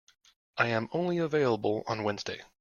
I am only available on Wednesday.